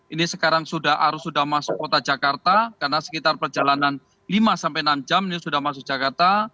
ini sekarang arus sudah masuk kota jakarta karena sekitar perjalanan lima sampai enam jam ini sudah masuk jakarta